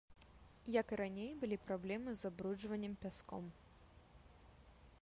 Як і раней былі праблемы з забруджваннем пяском.